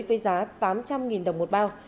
với giá tám trăm linh đồng một bao